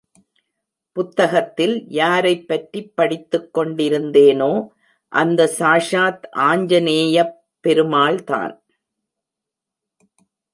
புத்தகத்தில் யாரைப் பற்றி படித்துக் கொண்டிருந்தேனோ அந்த சாஷாத் ஆஞ்சனேயப் பெருமாள்தான்.